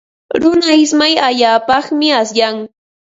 Runa ismay allaapaqmi asyan.